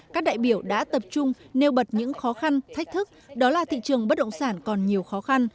các đại biểu đã tập trung nêu bật những khó khăn thách thức đó là thị trường bất động sản còn nhiều khó khăn